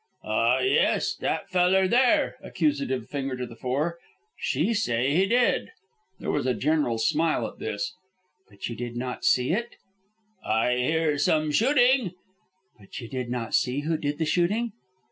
"Aw, yes. That feller there," accusative finger to the fore. "She say he did." There was a general smile at this. "But you did not see it?" "I hear some shooting." "But you did not see who did the shooting?"